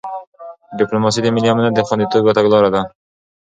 ډیپلوماسي د ملي امنیت د خوندیتوب یو تګلاره ده.